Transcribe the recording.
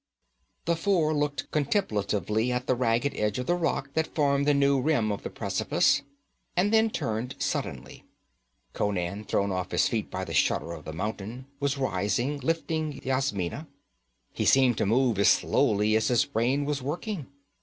The four looked contemplatively at the ragged edge of rock that formed the new rim of the precipice, and then turned suddenly. Conan, thrown off his feet by the shudder of the mountain, was rising, lifting Yasmina. He seemed to move as slowly as his brain was working.